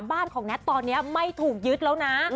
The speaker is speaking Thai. บ้านของแน็ตตอนนี้ไม่ถูกยึดแล้วนะ